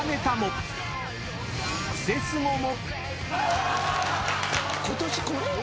［クセスゴも］